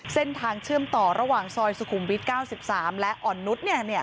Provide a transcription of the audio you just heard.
เส้นทางเชื่อมต่อระหว่างซอยสุขุมวิท๙๓และอ่อนนุษย์